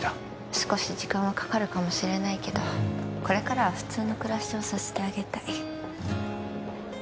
少し時間はかかるかもしれないけどこれからは普通の暮らしをさせてあげたい